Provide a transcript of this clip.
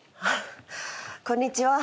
こんにちは。